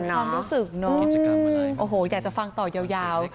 ความรู้สึกอยากฟังก็ต่อยาว